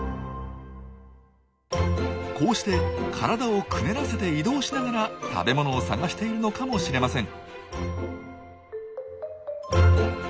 こうして体をくねらせて移動しながら食べ物を探しているのかもしれません。